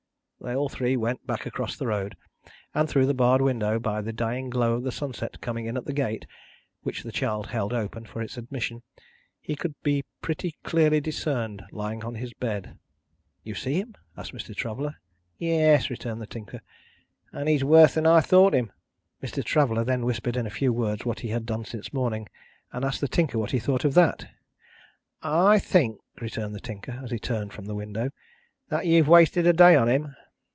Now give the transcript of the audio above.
They all three went back across the road; and, through the barred window, by the dying glow of the sunset coming in at the gate which the child held open for its admission he could be pretty clearly discerned lying on his bed. "You see him?" asked Mr. Traveller. "Yes," returned the Tinker, "and he's worse than I thought him." Mr. Traveller then whispered in few words what he had done since morning; and asked the Tinker what he thought of that? "I think," returned the Tinker, as he turned from the window, "that you've wasted a day on him."